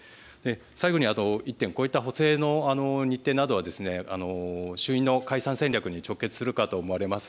最後に、一点、こういった補正の日程などは衆院の解散戦略に直結するかと思われます。